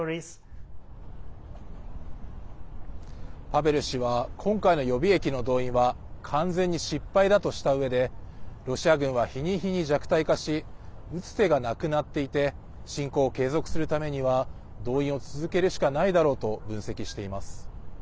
パベル氏は今回の予備役の動員は完全に失敗だとしたうえでロシア軍は、日に日に弱体化し打つ手がなくなっていて侵攻を継続するためには動員を続けるしかないだろうと分析しています。